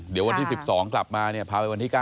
เดี๋ยววันที่๑๒กลับมาเนี่ยพาไปวันที่๙